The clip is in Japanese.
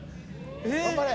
「頑張れ！